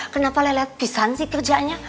kenapa lelepisan sih kerjanya